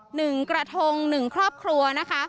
หนึ่งกระทงหนึ่งครอบครัวนะคะ